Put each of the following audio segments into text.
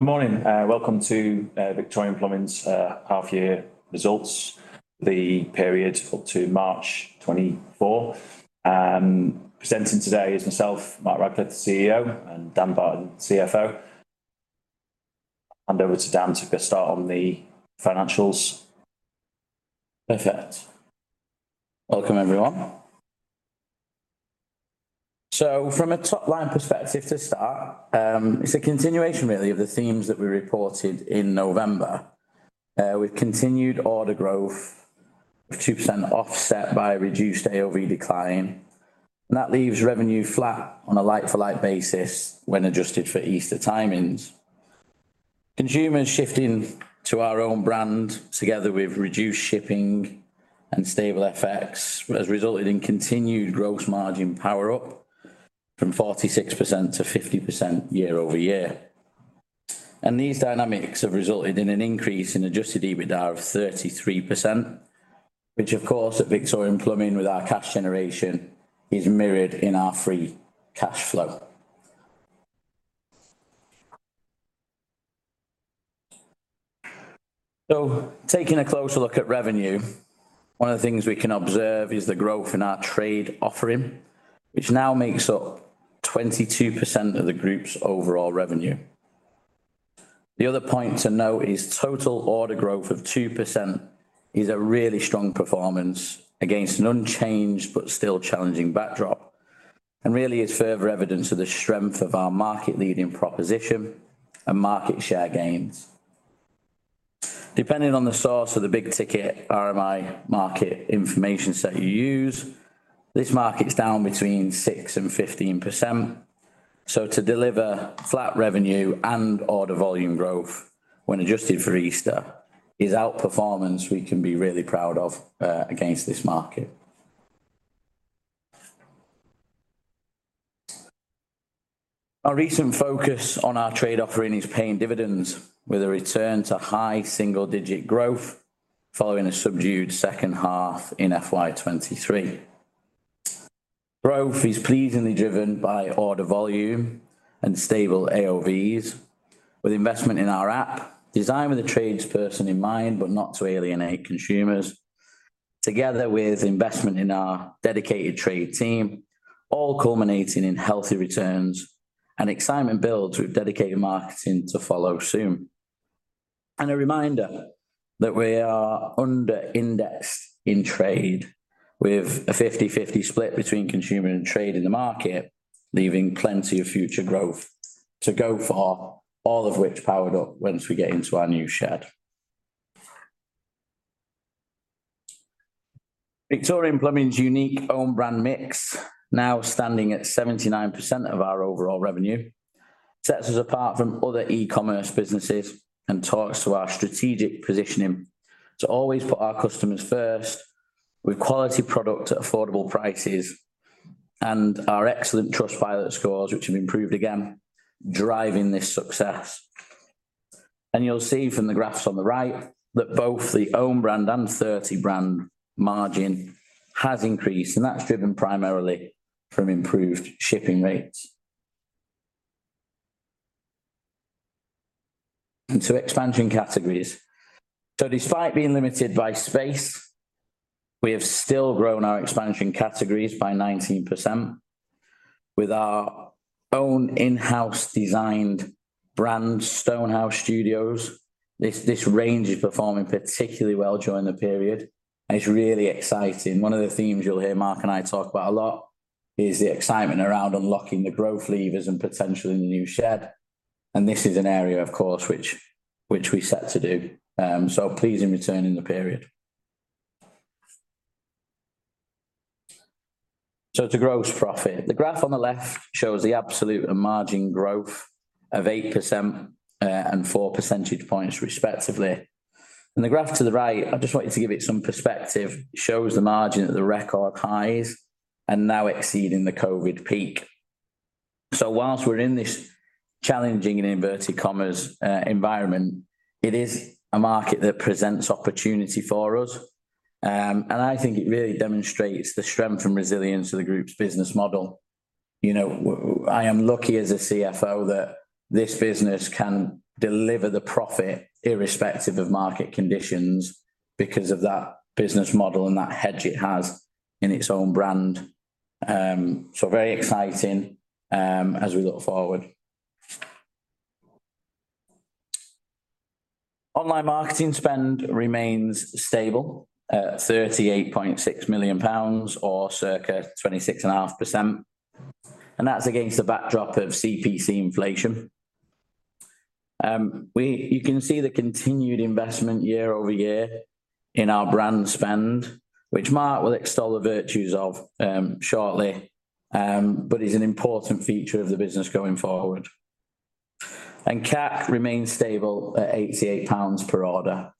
Good morning, welcome to Victorian Plumbing's half year results, the period up to March 2024. Presenting today is myself, Mark Radcliffe, the CEO, and Dan Barton, CFO. Hand over to Dan to get a start on the financials. Perfect. Welcome, everyone. So from a top-line perspective to start, it's a continuation really of the themes that we reported in November, with continued order growth of 2%, offset by a reduced AOV decline, and that leaves revenue flat on a like-for-like basis when adjusted for Easter timings. Consumers shifting to our own brand, together with reduced shipping and stable FX, has resulted in continued gross margin power up from 46% to 50% year-over-year. And these dynamics have resulted in an increase in adjusted EBITDA of 33%, which of course, at Victorian Plumbing, with our cash generation, is mirrored in our free cash flow. So taking a closer look at revenue, one of the things we can observe is the growth in our trade offering, which now makes up 22% of the group's overall revenue. The other point to note is total order growth of 2% is a really strong performance against an unchanged but still challenging backdrop, and really is further evidence of the strength of our market-leading proposition and market share gains. Depending on the source of the big ticket RMI market information set you use, this market's down between 6% and 15%, so to deliver flat revenue and order volume growth when adjusted for Easter is outperformance we can be really proud of, against this market. Our recent focus on our trade offering is paying dividends with a return to high single-digit growth following a subdued second half in FY 2023. Growth is pleasingly driven by order volume and stable AOVs, with investment in our app, designed with the tradesperson in mind, but not to alienate consumers, together with investment in our dedicated trade team, all culminating in healthy returns and excitement builds with dedicated marketing to follow soon. A reminder that we are under indexed in trade, with a 50/50 split between consumer and trade in the market, leaving plenty of future growth to go for, all of which powered up once we get into our new shed. Victorian Plumbing's unique own brand mix, now standing at 79% of our overall revenue, sets us apart from other e-commerce businesses and talks to our strategic positioning to always put our customers first, with quality product at affordable prices and our excellent Trustpilot scores, which have improved again, driving this success. You'll see from the graphs on the right, that both the own brand and third-party brand margin has increased, and that's driven primarily from improved shipping rates. So expansion categories. So despite being limited by space, we have still grown our expansion categories by 19% with our own in-house designed brand, Stonehouse Studio. This, this range is performing particularly well during the period, and it's really exciting. One of the themes you'll hear Mark and I talk about a lot is the excitement around unlocking the growth levers and potential in the new shed, and this is an area, of course, which, which we're set to do. So pleasing return in the period. So to gross profit. The graph on the left shows the absolute and margin growth of 8%, and four percentage points, respectively. The graph to the right, I just wanted to give it some perspective, shows the margin at the record highs and now exceeding the COVID peak. So while we're in this challenging, in inverted commas, environment, it is a market that presents opportunity for us, and I think it really demonstrates the strength and resilience of the group's business model. You know, I am lucky as a CFO that this business can deliver the profit irrespective of market conditions because of that business model and that hedge it has in its own brand. So very exciting, as we look forward. Online marketing spend remains stable at 38.6 million pounds or circa 26.5%, and that's against the backdrop of CPC inflation. You can see the continued investment year-over-year in our brand spend, which Mark will extol the virtues of, shortly, but is an important feature of the business going forward. CAC remains stable at 88 pounds per order.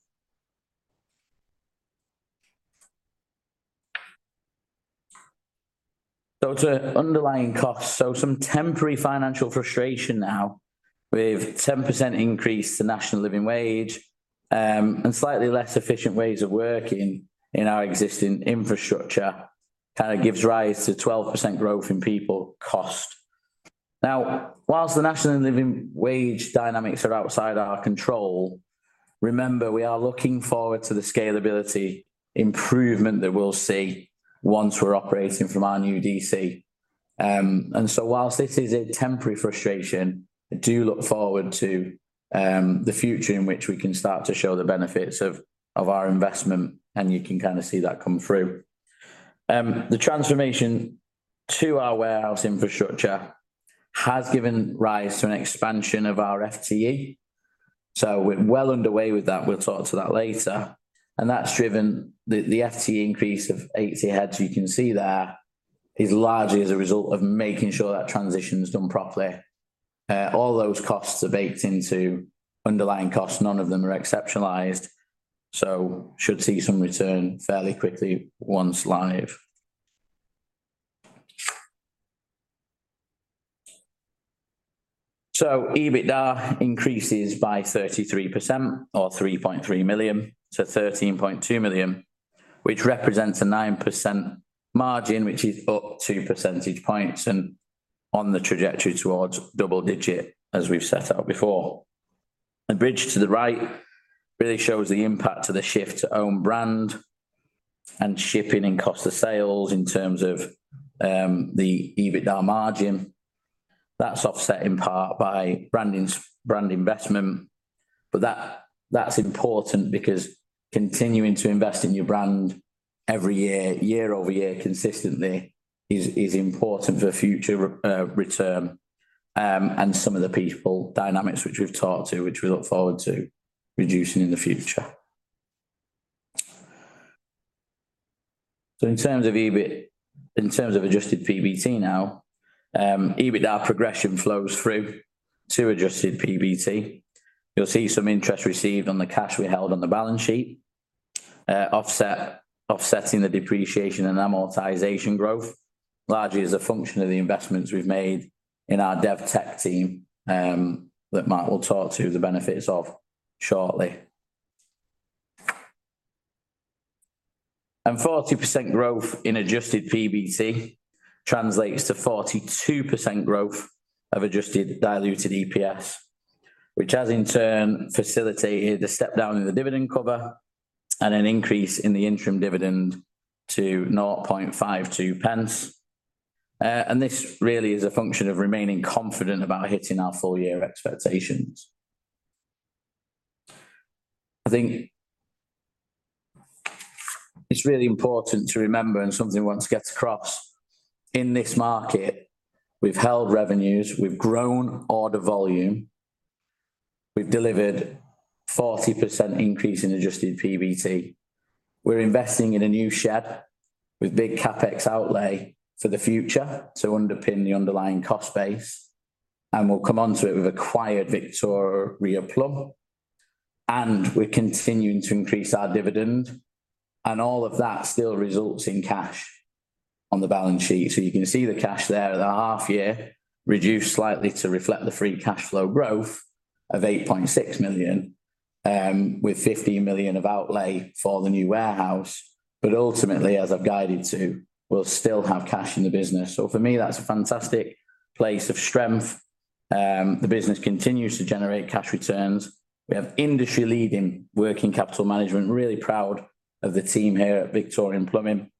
So to underlying costs. So some temporary financial frustration now, with 10% increase to National Living Wage, and slightly less efficient ways of working in our existing infrastructure.... kind of gives rise to 12% growth in people cost. Now, whilst the National Living Wage dynamics are outside our control, remember, we are looking forward to the scalability improvement that we'll see once we're operating from our new DC. and so whilst this is a temporary frustration, I do look forward to the future in which we can start to show the benefits of our investment, and you can kinda see that come through. The transformation to our warehouse infrastructure has given rise to an expansion of our FTE, so we're well underway with that. We'll talk to that later. And that's driven the FTE increase of 80 heads, you can see there, is largely as a result of making sure that transition is done properly. All those costs are baked into underlying costs. None of them are exceptionalized, so should see some return fairly quickly once live. So EBITDA increases by 33% or 3.3 million, to 13.2 million, which represents a 9% margin, which is up two percentage points, and on the trajectory towards double-digit, as we've set out before. The bridge to the right really shows the impact of the shift to own brand and shipping and cost of sales in terms of, the EBITDA margin. That's offset in part by branding, brand investment. But that, that's important because continuing to invest in your brand every year, year-over-year, consistently is, is important for future return, and some of the people dynamics which we've talked to, which we look forward to reducing in the future. So in terms of EBIT, in terms of adjusted PBT now, EBITDA progression flows through to adjusted PBT. You'll see some interest received on the cash we held on the balance sheet, offset, offsetting the depreciation and amortization growth, largely as a function of the investments we've made in our dev tech team, that Mark will talk to the benefits of shortly. 40% growth in adjusted PBT translates to 42% growth of adjusted diluted EPS, which has in turn facilitated a step down in the dividend cover and an increase in the interim dividend to 0.0052. This really is a function of remaining confident about hitting our full year expectations. I think it's really important to remember, and something I want to get across, in this market, we've held revenues, we've grown order volume, we've delivered 40% increase in adjusted PBT. We're investing in a new shed with big CapEx outlay for the future to underpin the underlying cost base, and we'll come on to it with Victoria Plum, and we're continuing to increase our dividend. And all of that still results in cash on the balance sheet. So you can see the cash there at the half year, reduced slightly to reflect the free cash flow growth of 8.6 million, with 15 million of outlay for the new warehouse, but ultimately, as I've guided to, we'll still have cash in the business. So for me, that's a fantastic place of strength. The business continues to generate cash returns. We have industry-leading working capital management. Really proud of the team here at Victorian Plumbing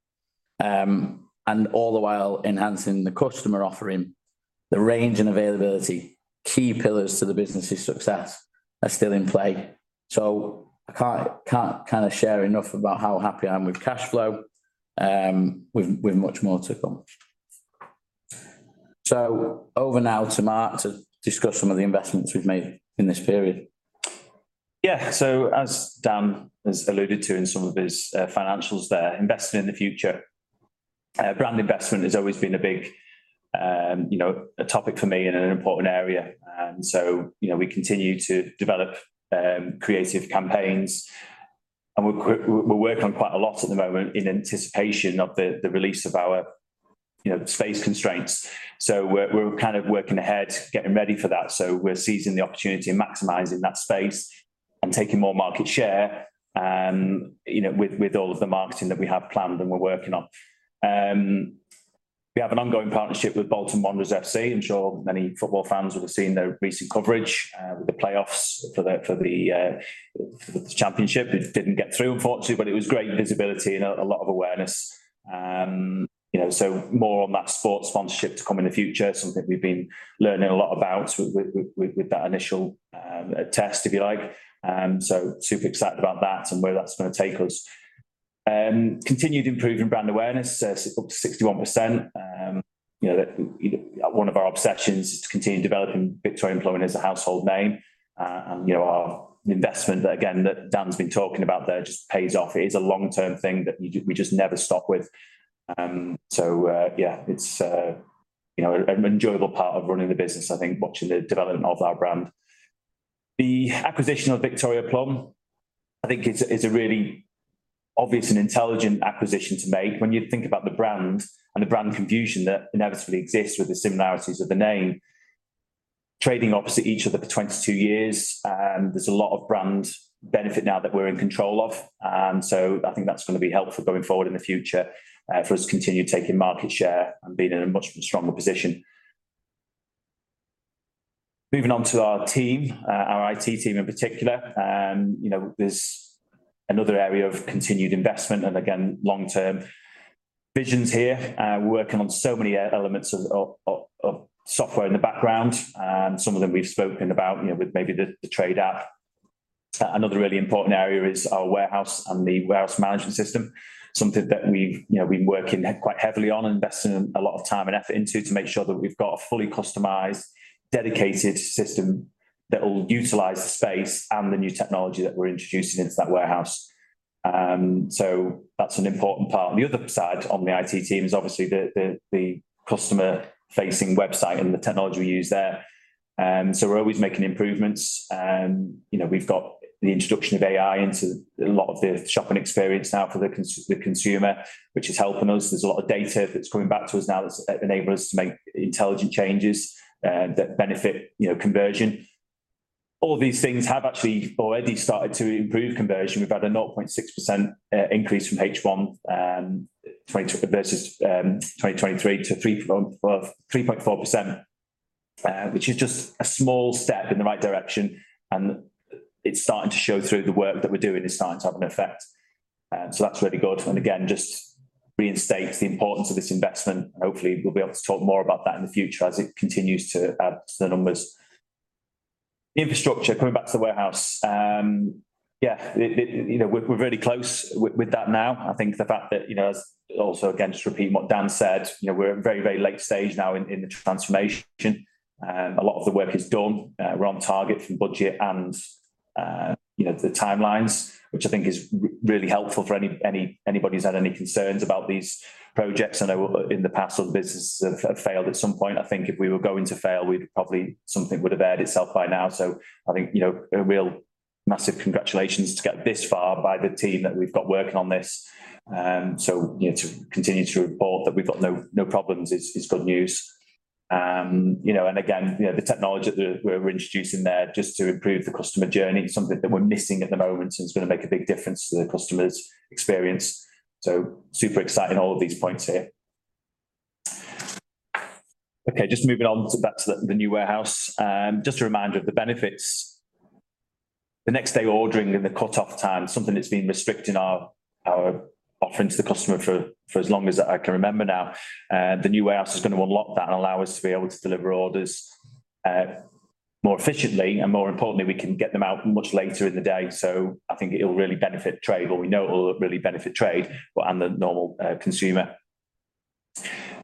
All the while enhancing the customer offering, the range and availability, key pillars to the business's success are still in play. So I can't kinda share enough about how happy I am with cash flow, with much more to come. So over now to Mark to discuss some of the investments we've made in this period. Yeah. So as Dan has alluded to in some of his financials there, investing in the future, brand investment has always been a big, you know, a topic for me and an important area. And so, you know, we continue to develop creative campaigns, and we're working on quite a lot at the moment in anticipation of the release of our, you know, space constraints. So we're kind of working ahead, getting ready for that. So we're seizing the opportunity and maximizing that space and taking more market share, you know, with all of the marketing that we have planned and we're working on. We have an ongoing partnership with Bolton Wanderers FC. I'm sure many football fans will have seen their recent coverage with the playoffs for the Championship. It didn't get through, unfortunately, but it was great visibility and a lot of awareness. You know, so more on that sports sponsorship to come in the future. Something we've been learning a lot about with that initial test, if you like. So super excited about that and where that's gonna take us. Continued improving brand awareness up to 61%. You know, that, you know, one of our obsessions is to continue developing Victorian Plumbing as a household name. And, you know, our investment that, again, that Dan's been talking about there just pays off. It is a long-term thing that we just never stop with. So, yeah, it's, you know, an enjoyable part of running the business, I think, watching the development of our brand. The acquisition of Victoria Plum, I think it's a really obvious and intelligent acquisition to make. When you think about the brand and the brand confusion that inevitably exists with the similarities of the name trading opposite each other for 22 years, there's a lot of brand benefit now that we're in control of. So I think that's gonna be helpful going forward in the future, for us to continue taking market share and being in a much stronger position. Moving on to our team, our IT team in particular, you know, there's another area of continued investment and again, long-term visions here. We're working on so many elements of software in the background, and some of them we've spoken about, you know, with maybe the trade app. Another really important area is our warehouse and the warehouse management system, something that we've, you know, been working quite heavily on and investing a lot of time and effort into to make sure that we've got a fully customized, dedicated system that will utilize the space and the new technology that we're introducing into that warehouse. So that's an important part. On the other side, on the IT team is obviously the customer-facing website and the technology we use there. So we're always making improvements. You know, we've got the introduction of AI into a lot of the shopping experience now for the consumer, which is helping us. There's a lot of data that's coming back to us now that's, that enable us to make intelligent changes that benefit, you know, conversion. All these things have actually already started to improve conversion. We've had a 0.6% increase from H1 2023 to 3.4%, which is just a small step in the right direction, and it's starting to show through the work that we're doing. It's starting to have an effect, and so that's really good, and again, just reinstates the importance of this investment, and hopefully, we'll be able to talk more about that in the future as it continues to add to the numbers. Infrastructure, coming back to the warehouse, yeah, it you know, we're really close with that now. I think the fact that, you know, as also again, just repeating what Dan said, you know, we're at a very, very late stage now in the transformation. A lot of the work is done. We're on target for the budget and, you know, the timelines, which I think is really helpful for any anybody who's had any concerns about these projects. I know in the past, other businesses have failed at some point. I think if we were going to fail, we'd probably... something would have aired itself by now, so I think, you know, a real massive congratulations to get this far by the team that we've got working on this. So, you know, to continue to report that we've got no, no problems is good news. You know, and again, you know, the technology that we're introducing there just to improve the customer journey, something that we're missing at the moment, and it's gonna make a big difference to the customer's experience. So super excited in all of these points here. Okay, just moving on to back to the new warehouse. Just a reminder of the benefits. The next day ordering and the cut-off time, something that's been restricting our offering to the customer for as long as I can remember now. The new warehouse is gonna unlock that and allow us to be able to deliver orders more efficiently, and more importantly, we can get them out much later in the day, so I think it'll really benefit trade, or we know it'll really benefit trade, but and the normal consumer.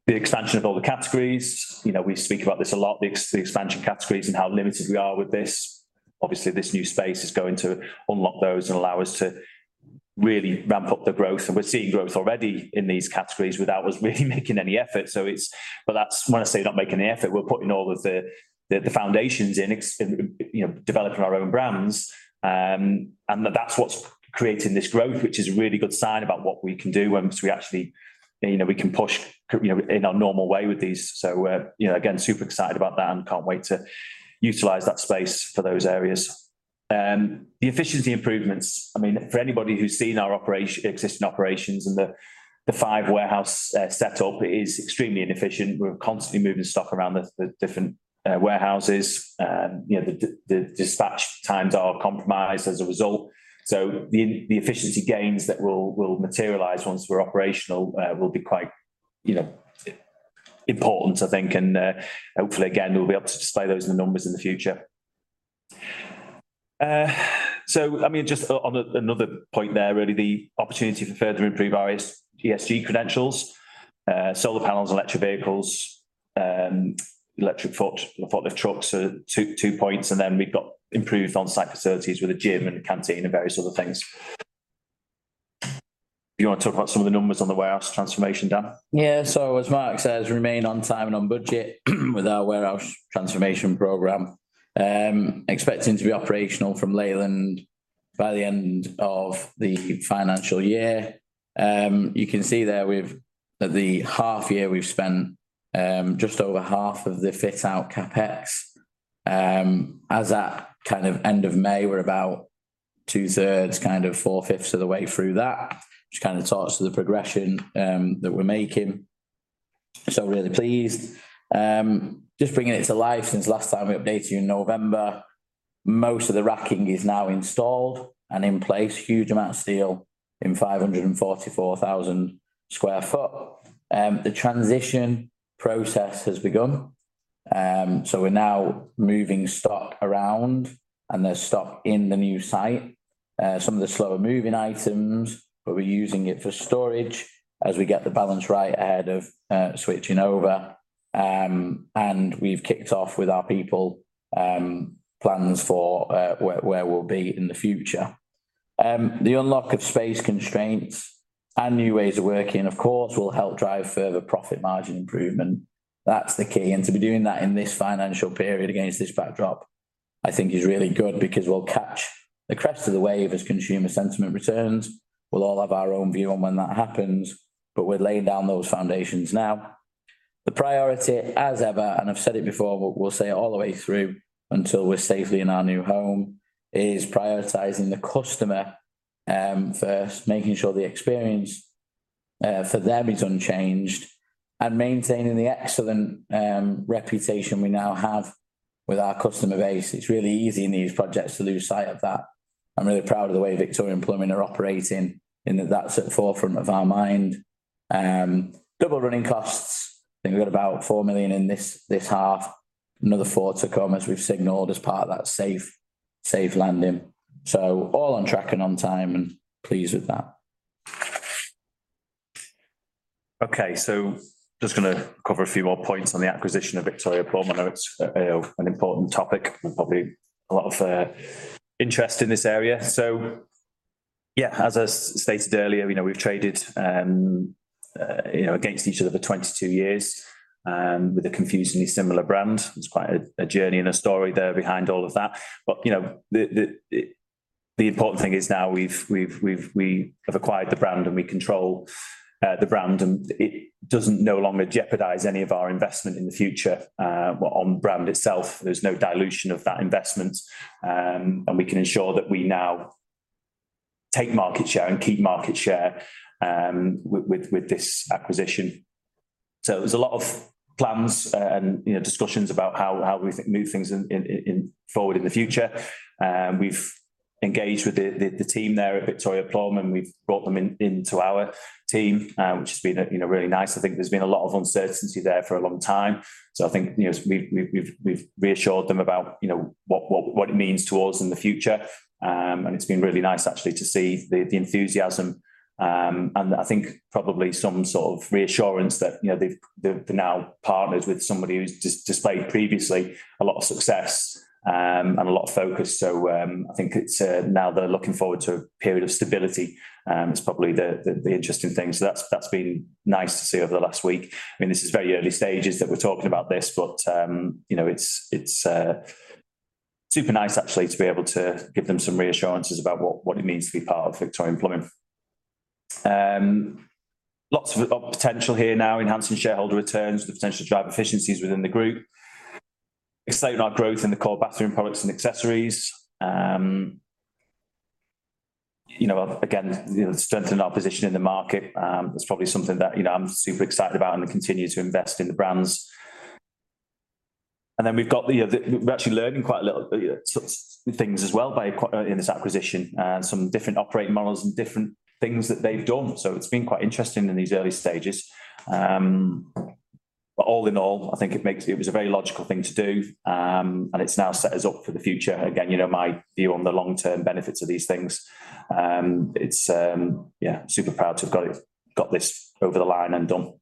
The expansion of all the categories, you know, we speak about this a lot, the expansion categories and how limited we are with this. Obviously, this new space is going to unlock those and allow us to really ramp up the growth, and we're seeing growth already in these categories without us really making any effort, so it's... But that's, when I say not making any effort, we're putting all of the foundations in ex- you know, developing our own brands, and that's what's creating this growth, which is a really good sign about what we can do once we actually, you know, we can push, you know, in our normal way with these. So, you know, again, super excited about that and can't wait to utilize that space for those areas. The efficiency improvements, I mean, for anybody who's seen our operation, existing operations and the five-warehouse setup, it is extremely inefficient. We're constantly moving stock around the different warehouses. You know, the dispatch times are compromised as a result. So the efficiency gains that will materialize once we're operational will be quite, you know, important, I think, and hopefully, again, we'll be able to display those in the numbers in the future. So I mean, just on another point there, really, the opportunity to further improve our ESG credentials, solar panels, electric vehicles, electric forklift trucks are two points, and then we've got improved on-site facilities with a gym and a canteen and various other things. Do you wanna talk about some of the numbers on the warehouse transformation, Dan? Yeah, so as Mark says, remain on time and on budget with our warehouse transformation program. Expecting to be operational from Leyland by the end of the financial year. You can see there, at the half year, we've spent just over half of the fit-out CapEx. As at kind of end of May, we're about two-thirds, kind of four-fifths of the way through that, which kinda talks to the progression that we're making. So really pleased. Just bringing it to life, since last time we updated you in November, most of the racking is now installed and in place, huge amount of steel in 544,000 sq ft. The transition process has begun, so we're now moving stock around, and there's stock in the new site. Some of the slower-moving items, but we're using it for storage as we get the balance right ahead of switching over. And we've kicked off with our people plans for where we'll be in the future. The unlock of space constraints and new ways of working, of course, will help drive further profit margin improvement. That's the key, and to be doing that in this financial period against this backdrop, I think is really good because we'll catch the crest of the wave as consumer sentiment returns. We'll all have our own view on when that happens, but we're laying down those foundations now. The priority, as ever, and I've said it before, but we'll say it all the way through until we're safely in our new home, is prioritizing the customer first. Making sure the experience for them is unchanged, and maintaining the excellent reputation we now have with our customer base. It's really easy in these projects to lose sight of that. I'm really proud of the Victorian Plumbing are operating, in that that's at the forefront of our mind. Double running costs, I think we've got about 4 million in this half, another 4 to come, as we've signaled as part of that safe, safe landing. So all on track and on time, and pleased with that. Okay, so just gonna cover a few more points on the acquisition Victoria Plum. i know it's an important topic and probably a lot of interest in this area. So yeah, as I stated earlier, you know, we've traded, you know, against each other for 22 years, with a confusingly similar brand. It's quite a journey and a story there behind all of that. But, you know, the important thing is now we have acquired the brand, and we control the brand, and it doesn't no longer jeopardize any of our investment in the future. On brand itself, there's no dilution of that investment, and we can ensure that we now take market share and keep market share, with this acquisition. So there's a lot of plans, and, you know, discussions about how we think move things forward in the future. We've engaged with the team there Victoria Plum, and we've brought them in, into our team, which has been, you know, really nice. I think there's been a lot of uncertainty there for a long time, so I think, you know, we've reassured them about, you know, what it means to us in the future. And it's been really nice actually to see the enthusiasm, and I think probably some sort of reassurance that, you know, they've-- they're now partners with somebody who's displayed previously a lot of success, and a lot of focus. So, I think it's now they're looking forward to a period of stability. It's probably the interesting thing, so that's been nice to see over the last week. I mean, this is very early stages that we're talking about this, but, you know, it's super nice actually to be able to give them some reassurances about what it means to be part Victoria Plum. lots of potential here now, enhancing shareholder returns with the potential to drive efficiencies within the group. Accelerating our growth in the core bathroom products and accessories. You know, again, you know, strengthening our position in the market is probably something that, you know, I'm super excited about and continue to invest in the brands. And then we've got the, we're actually learning quite a few things as well by acquisition in this acquisition and some different operating models and different things that they've done, so it's been quite interesting in these early stages. But all in all, I think it makes it, it was a very logical thing to do, and it's now set us up for the future. Again, you know, my view on the long-term benefits of these things, it's, yeah, super proud to have got it, got this over the line and done.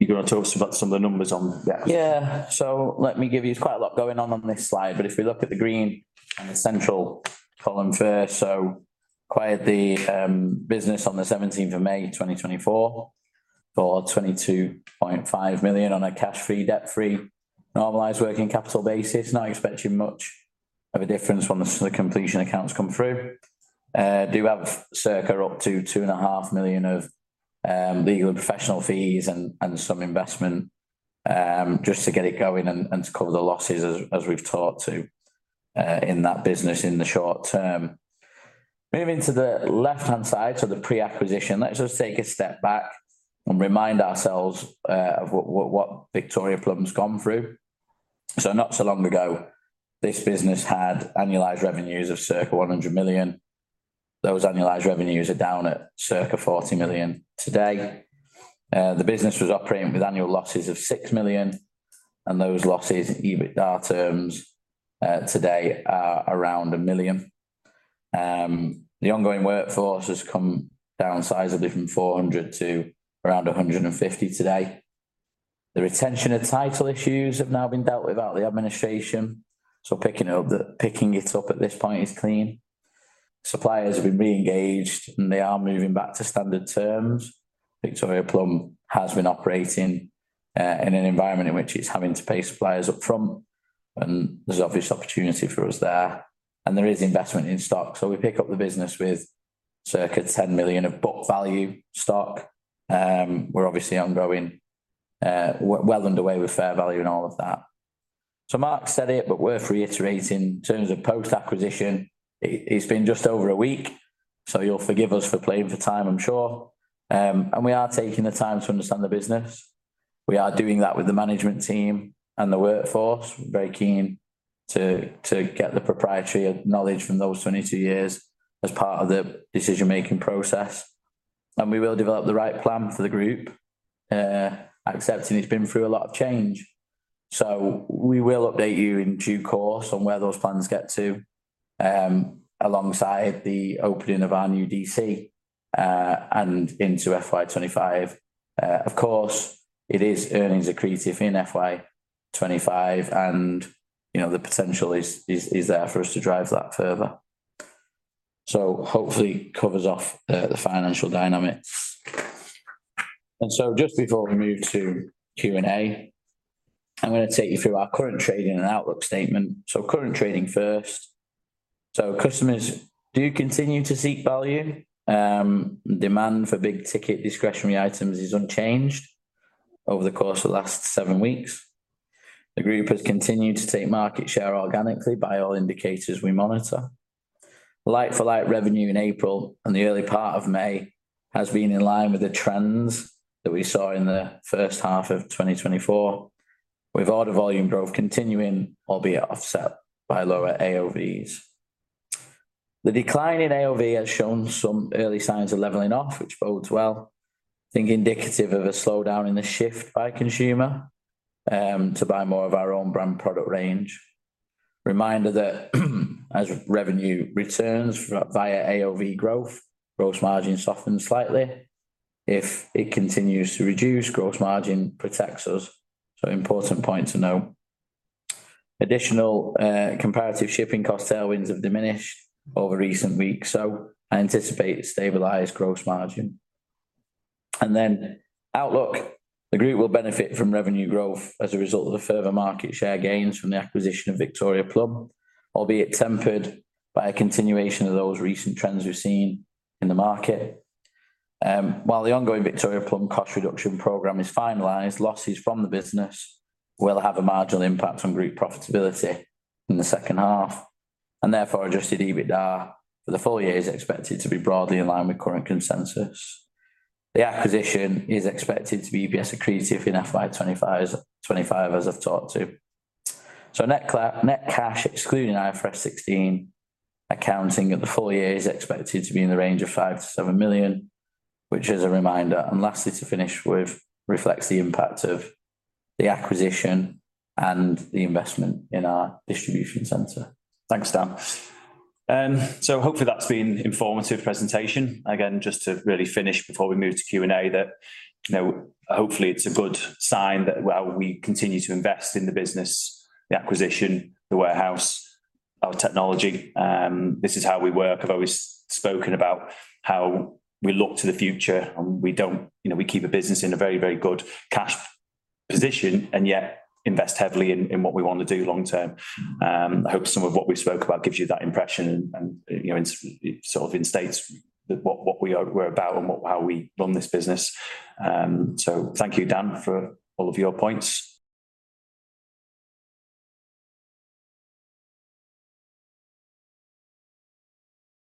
You gonna talk to us about some of the numbers on the acquisition? Yeah. So let me give you, quite a lot going on on this slide, but if we look at the green and the central column first. So acquired the business on the seventeenth of May, 2024, for 22.5 million on a cash-free, debt-free, normalized working capital basis. Not expecting much of a difference when the completion accounts come through. Do have circa up to 2.5 million of legal and professional fees and some investment just to get it going and to cover the losses as we've talked to in that business in the short term. Moving to the left-hand side, so the pre-acquisition, let's just take a step back and remind ourselves of Victoria Plum's gone through. So not so long ago, this business had annualized revenues of circa 100 million. Those annualized revenues are down at circa 40 million today. The business was operating with annual losses of 6 million, and those losses, EBITDA terms, today are around 1 million. The ongoing workforce has come down sizably from 400 to around 150 today. The retention of title issues have now been dealt with out of the administration, so picking it up at this point is clean. Suppliers have been re-engaged, and they are moving back to standard Victoria Plum has been operating in an environment in which it's having to pay suppliers up front, and there's obvious opportunity for us there, and there is investment in stock. So we pick up the business with circa 10 million of book value stock. We're obviously ongoing, well underway with fair value and all of that. So Mark said it, but worth reiterating, in terms of post-acquisition, it, it's been just over a week, so you'll forgive us for playing for time, I'm sure. And we are taking the time to understand the business. We are doing that with the management team and the workforce. Very keen to get the proprietary knowledge from those 22 years as part of the decision-making process, and we will develop the right plan for the group, accepting it's been through a lot of change. So we will update you in due course on where those plans get to, alongside the opening of our new DC, and into FY 2025. Of course, it is earnings accretive in FY 25, and, you know, the potential is there for us to drive that further. So hopefully covers off the financial dynamics. And so just before we move to Q&A, I'm gonna take you through our current trading and outlook statement. So current trading first. So customers do continue to seek value. Demand for big ticket discretionary items is unchanged over the course of the last seven weeks. The group has continued to take market share organically by all indicators we monitor. Like-for-like revenue in April and the early part of May has been in line with the trends that we saw in the first half of 2024, with order volume growth continuing, albeit offset by lower AOVs. The decline in AOV has shown some early signs of leveling off, which bodes well, I think, indicative of a slowdown in the shift by consumer, to buy more of our own brand product range. Reminder that, as revenue returns via AOV growth, gross margin softens slightly. If it continues to reduce, gross margin protects us, so important point to note. Additional, comparative shipping cost tailwinds have diminished over recent weeks, so I anticipate a stabilized gross margin. And then outlook, the group will benefit from revenue growth as a result of the further market share gains from the acquisition Victoria Plum, albeit tempered by a continuation of those recent trends we've seen in the market. While the Victoria Plum cost reduction program is finalized, losses from the business will have a marginal impact on group profitability in the second half, and therefore, adjusted EBITDA for the full year is expected to be broadly in line with current consensus. The acquisition is expected to be EPS accretive in FY 25, as I've talked to. So net cash, excluding IFRS 16 accounting at the full year, is expected to be in the range of 5 million-7 million, which is a reminder, and lastly, to finish with, reflects the impact of the acquisition and the investment in our distribution center. Thanks, Dan. So hopefully that's been informative presentation. Again, just to really finish before we move to Q&A, that, you know, hopefully it's a good sign that, well, we continue to invest in the business, the acquisition, the warehouse, our technology, this is how we work. I've always spoken about how we look to the future, and we don't, you know, we keep the business in a very, very good cash position and yet invest heavily in, in what we want to do long term. I hope some of what we spoke about gives you that impression and, you know, in, sort of instates what, what we are, we're about and what, how we run this business. So thank you, Dan, for all of your points.